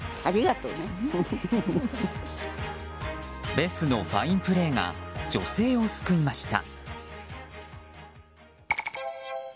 ベスのファインプレーが女性を救いました。